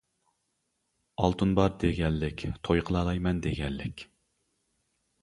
ئالتۇن بار دېگەنلىك توي قىلالايمەن دېگەنلىك.